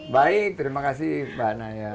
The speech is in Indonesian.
baik terima kasih mbak naya